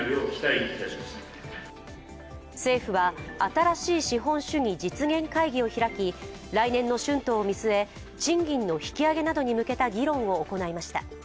政府は、新しい資本主義実現会議を開き来年の春闘を見据え、賃金の引き上げなどに向けた議論を行いました。